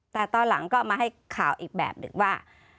แต่ตอนหลังก็เอามาให้ข่าวอีกแบบหนึ่งว่า